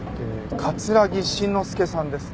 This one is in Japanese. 桂木慎之介さんですね？